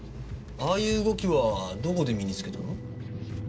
ああいう動きはどこで身につけたの？